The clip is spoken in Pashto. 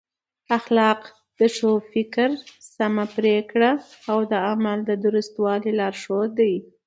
اخلاق د ښو فکر، سمه پرېکړه او د عمل د درستوالي لارښود دی.